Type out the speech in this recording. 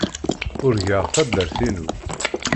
Urgaɣ taddart-inu.